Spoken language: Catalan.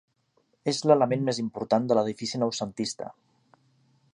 És l'element més important de l'edifici noucentista.